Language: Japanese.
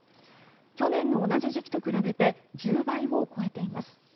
去年の同じ時期と比べて１０倍を超えています。